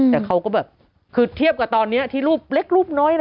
แต่เขาก็แบบคือเทียบกับตอนนี้ที่รูปเล็กรูปน้อยอะไร